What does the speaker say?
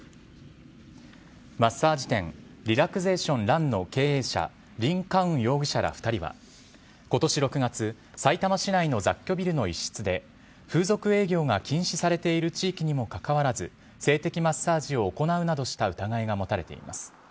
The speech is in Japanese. マッサージ店リラクゼーション蘭の経営者リン・カウン容疑者ら２人は今年６月さいたま市内の雑居ビルの一室で風俗営業が禁止されている地域にもかかわらず性的マッサージを行うなどした疑いが持たれています。